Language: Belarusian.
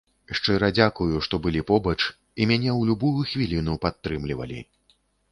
Шчыра дзякую, што былі побач і мяне ў любую хвіліну падтрымлівалі!